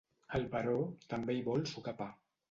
El baró també hi vol sucar pa.